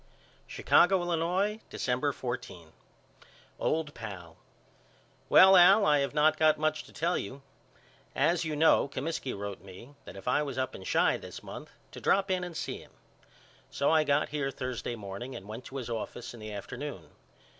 Chicago, Illinois, December 14. OLD PAL: Well Al I have not got much to tell you. As you know Comiskey wrote me that if I was up in Chi this month to drop in and see him. So I got here Thursday morning and went to his office in the afternoon.